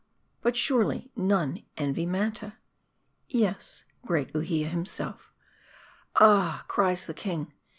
But surely, none envy Manta ! Yes ; great Uhia himself. < Ah !' cries the king.